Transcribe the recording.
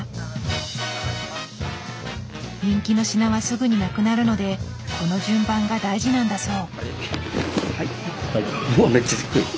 人気の品はすぐに無くなるのでこの順番が大事なんだそう。